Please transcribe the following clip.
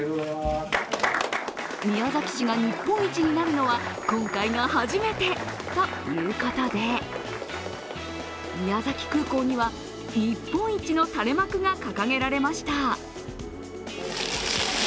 宮崎市が日本一になるのは今回が初めてということで宮崎空港には日本一の垂れ幕が掲げられました。